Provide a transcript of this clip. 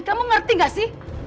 kamu ngerti gak sih